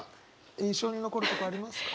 印象に残るとこありますか？